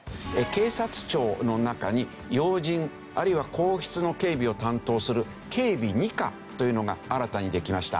警察庁の中に要人あるいは皇室の警備を担当する警備２課というのが新たにできました。